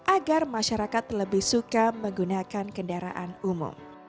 agar masyarakat lebih suka menggunakan kendaraan umum